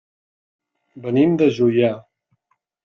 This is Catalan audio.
Venim de Juià.